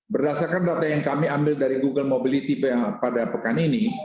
berdasarkan data yang kami ambil dari google mobility pada pekan ini